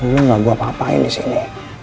lu gak buat apa apain disini